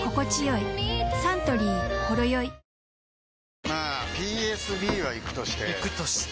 サントリー「ほろよい」まあＰＳＢはイクとしてイクとして？